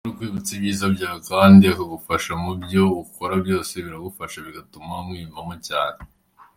Umuntu uhora ukwibutsa ibyiza byawe kandi akagufasha mubyo ukora byose biragufasha bigatuma umwiyumvamo cyane.